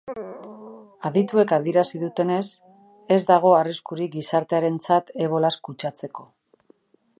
Adituek adierazi dutenez, ez dago arriskurik gizartearentzat ebolaz kutsatzeko.